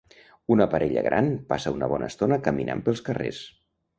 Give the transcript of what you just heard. Una parella gran passa una bona estona caminant pels carrers.